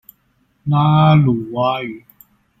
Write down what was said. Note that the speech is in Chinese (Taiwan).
拉阿魯哇語